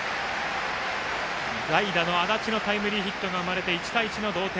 代打の安達のタイムリーヒットが生まれて１対１の同点。